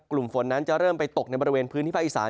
กลุ่มฝนนั้นจะเริ่มไปตกในบริเวณพื้นที่ภาคอีสาน